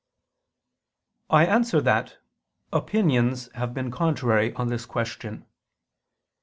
I answer that, Opinions have been contrary on this question.